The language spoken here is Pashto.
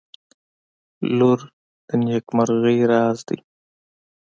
• لور د نیکمرغۍ راز دی.